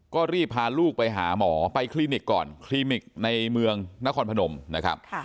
ก็รีบพาลูกไปหาหมอไปคลินิกก่อนคลินิกในเมืองนครพนมนะครับ